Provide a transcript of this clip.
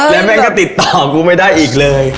แล้วแม่งก็ติดต่อกูไม่ได้อีกเลย